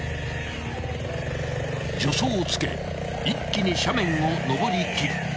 ［助走をつけ一気に斜面を登り切る］